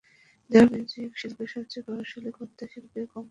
যা মিউজিক শিল্পে সবচেয়ে প্রভাবশালী কর্তা, শিল্পী ও কোম্পানিকে তুলে ধরে।